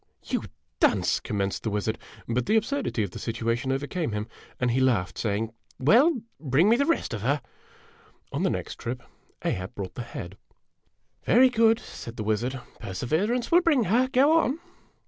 O "You dunce!" commenced the wizard; but the absurdity of the situation overcame him, and he laughed, saying: "Well, bring me the rest of her !" On the next trip, Ahab brought the head. "Very good," said the wizard; "perseverance will bring her. Go on."